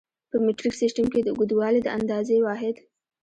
په مټریک سیسټم کې د اوږدوالي د اندازې واحد